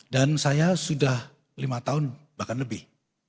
dan saya sudah lima tahun bahkan lebih